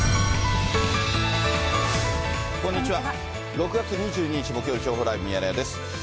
６月２２日木曜日、情報ライブミヤネ屋です。